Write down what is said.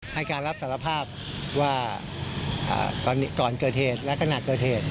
ให้การรับสารภาพว่าก่อนเกิดเหตุและขณะเกิดเหตุ